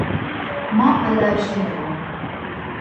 Man alerji miğun.